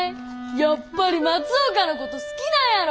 やっぱり松岡のこと好きなんやろ。